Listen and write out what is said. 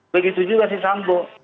begitu juga si sambo